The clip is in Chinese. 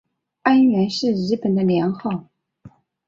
安元是日本的年号。